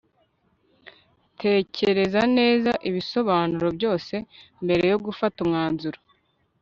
tekereza neza ibisobanuro byose, mbere yo gufata umwanzuro